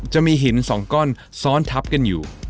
จะมีหินสองก้อนซ้อนทับกันอยู่